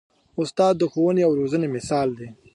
استاد د ښوونې او روزنې مثال دی.